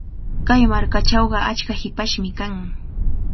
Kay markachawqa achka hipashmi kan.